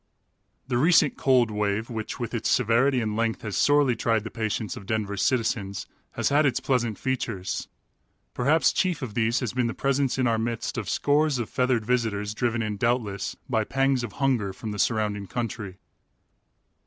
The recent "cold wave," which with its severity and length has sorely tried the patience of Denver's citizens, has had its pleasant features. Perhaps chief of these has been the presence in our midst of scores of feathered visitors driven in, doubtless, by pangs of hunger, from the surrounding country.